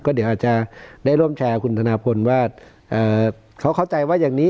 เดี๋ยวอาจจะได้ร่วมแชร์คุณธนาพลว่าเขาเข้าใจว่าอย่างนี้